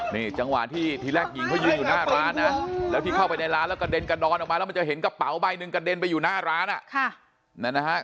นี่จังหวะที่ทีแรกหญิงเขายืนอยู่หน้าร้านนะแล้วที่เข้าไปในร้านแล้วกระเด็นกระดอนออกมาแล้วมันจะเห็นกระเป๋าใบหนึ่งกระเด็นไปอยู่หน้าร้าน